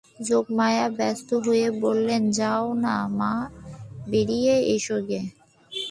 যোগমায়া ব্যস্ত হয়ে বললেন, যাও-না মা, বেড়িয়ে এসো গে।